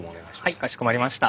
はいかしこまりました。